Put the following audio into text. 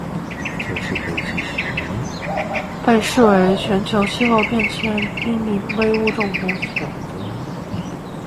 这只北极熊被视为全球气候变迁濒危物种的象征。